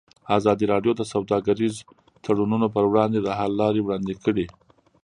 ازادي راډیو د سوداګریز تړونونه پر وړاندې د حل لارې وړاندې کړي.